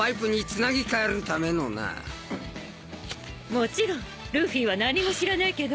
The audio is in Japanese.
もちろんルフィは何も知らないけど。